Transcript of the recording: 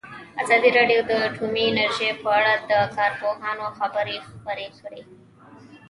ازادي راډیو د اټومي انرژي په اړه د کارپوهانو خبرې خپرې کړي.